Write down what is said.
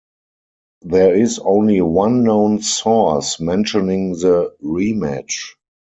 There is only one known source mentioning the rematch.